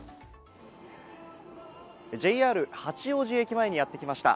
ＪＲ八王子駅前にやってきました。